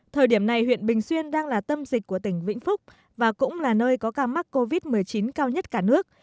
thời điểm này huyện bình xuyên đang là tâm dịch của tỉnh vĩnh phúc và cũng là nơi có ca mắc covid một mươi chín cao nhất cả nước